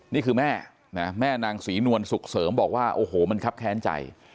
นี่คือแม่นะแม่นางศรีนวลสุขเสริมบอกว่าโอ้โหมันครับแค้นใจ